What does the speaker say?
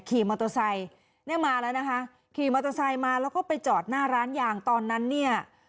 ขี่มอเตอร์ไซค์เนี่ยมาแล้วนะคะขี่มอเตอร์ไซค์มาแล้วก็ไปจอดหน้าร้านยางตอนนั้นเนี่ย